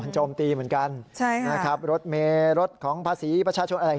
ก็โดนโจมตีเหมือนกันใช่ค่ะนะครับรถเมรถของภาษีประชาชนอะไรอย่าง